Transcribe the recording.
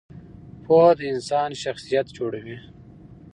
پوهه د انسان شخصیت جوړوي.